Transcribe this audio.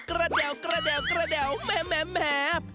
กระเด่วกระเด่วกระเด่วแหม่แหม่แหม่